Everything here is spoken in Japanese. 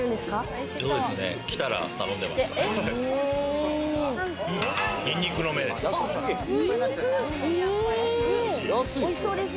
来たら頼んでます。